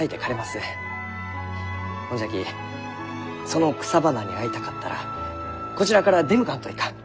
ほんじゃきその草花に会いたかったらこちらから出向かんといかん。